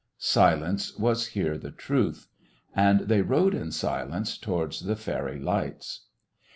Silence was here the truth. And they rode in silence towards the fairy lights.